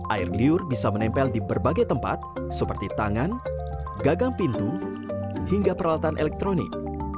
air liur bisa menempel di berbagai tempat seperti tangan gagang pintu hingga peralatan elektronik